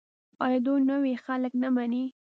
آیا دوی نوي خلک نه مني؟